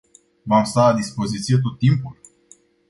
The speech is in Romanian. V-am stat la dispoziție tot timpul.